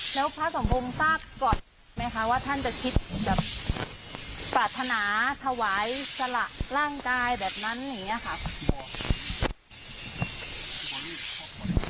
แล้วพระสมพงศ์ทราบก่อนไหมคะว่าท่านจะคิดแบบปรารถนาถวายสละร่างกายแบบนั้นอย่างนี้ค่ะ